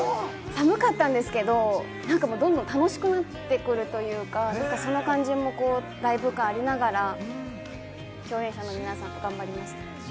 寒かったですけれども、楽しくなってくるというか、ライブ感ありながら共演者の皆さんと頑張りました。